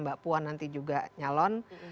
mbak puan nanti juga nyalon